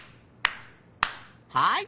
はい。